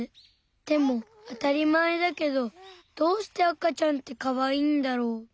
でもあたりまえだけどどうしてあかちゃんってかわいいんだろう？